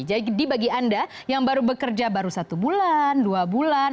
jadi bagi anda yang baru bekerja baru satu bulan dua bulan